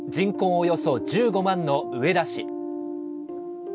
およそ１５万の上田市。